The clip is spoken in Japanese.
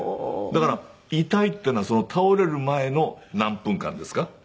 だから痛いっていうのは倒れる前の何分間ですか。